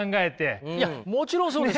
いやもちろんそうです。